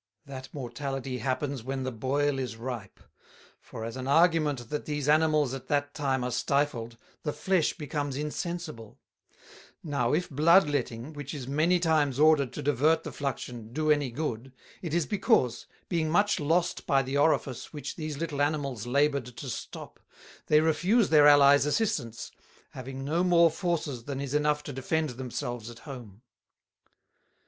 That Mortality happens when the Boil is ripe; for as an Argument that these Animals at that time are stifled, the Flesh becomes insensible: Now, if Blood letting, which is many times ordered to divert the Fluxion, do any good, it is because, much being lost by the Orifice which these little Animals laboured to stop, they refuse their Allies Assistance, having no more Forces than is enough to defend themselves at home."